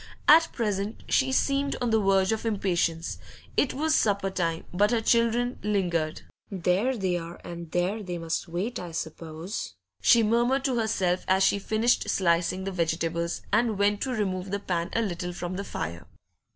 At present she seemed on the verge of impatience; it was supper time, but her children lingered. 'There they are, and there they must wait, I s'pose,' she murmured to herself as she finished slicing the vegetables and went to remove the pan a little from the fire.